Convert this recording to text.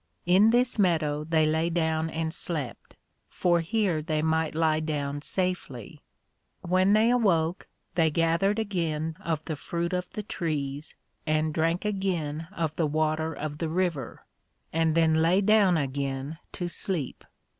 In this Meadow they lay down and slept, for here they might lie down safely. When they awoke, they gathered again of the Fruit of the Trees, and drank again of the water of the River, and then lay down again to sleep.